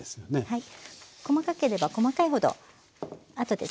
はい。